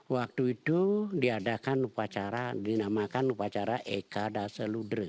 waktu itu diadakan upacara dinamakan upacara eka daseludre